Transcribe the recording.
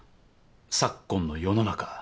昨今の世の中。